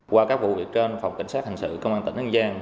qua các vụ việc trên phòng cảnh sát thành sự công an tỉnh an giang